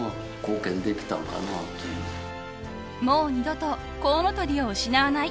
［もう二度とコウノトリを失わない］